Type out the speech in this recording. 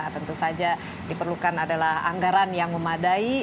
tentu saja diperlukan adalah anggaran yang memadai